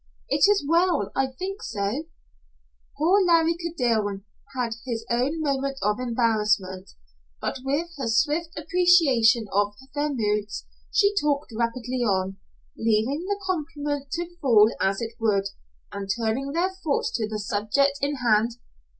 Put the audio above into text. It is well, I think so." Poor Larry Kildene had his own moment of embarrassment, but with her swift appreciation of their moods she talked rapidly on, leaving the compliment to fall as it would, and turning their thoughts to the subject in hand.